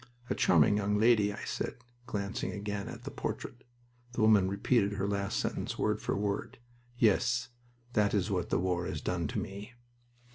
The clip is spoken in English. "A charming young lady," I said, glancing again at the portrait. The woman repeated her last sentence, word for word. "Yes... that is what the war has done to me."